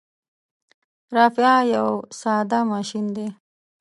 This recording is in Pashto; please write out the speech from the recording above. رافعه یو ساده ماشین دی.